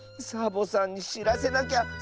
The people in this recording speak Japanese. サボさんにしらせなきゃ。